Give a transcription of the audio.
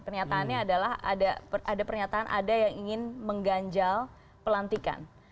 pernyataannya adalah ada pernyataan ada yang ingin mengganjal pelantikan